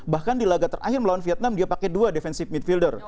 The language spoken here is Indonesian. bahkan di laga terakhir melawan vietnam dia pakai dua defensive midfilder